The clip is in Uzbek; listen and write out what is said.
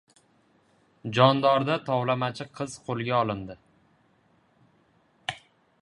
Jondorda tovlamachi qiz qo‘lga olindi